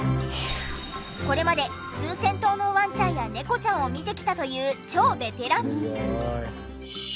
これまで数千頭のワンちゃんや猫ちゃんを診てきたという超ベテラン。